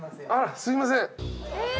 すいません。